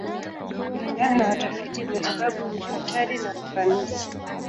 Kulingana na watafiti matibabu, ni hatari na ufanisi.